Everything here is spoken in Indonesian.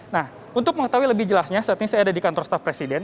nah untuk mengetahui lebih jelasnya saat ini saya ada di kantor staff presiden